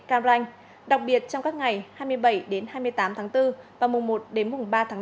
cam ranh đặc biệt trong các ngày hai mươi bảy hai mươi tám tháng bốn và mùa một đến mùa ba tháng năm